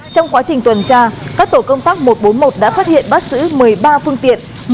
trong quá trình tuần tra các tổ công tác một trăm bốn mươi một đã phát hiện bắt xử một mươi ba phương tiện